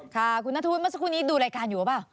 ค่ะคุณนัทธวุฒิเมื่อสักครู่นี้ดูรายการอยู่หรือเปล่า